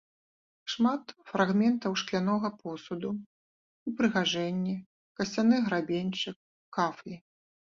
Шмат фрагментаў шклянога посуду, упрыгажэнні, касцяны грабеньчык, кафлі.